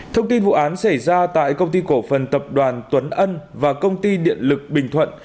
thông tin vụ án xảy ra tại công ty cổ phần tập đoàn tuấn ân và công ty điện lực bình thuận